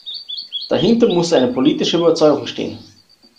Dahinter muss eine politische Überzeugung stehen.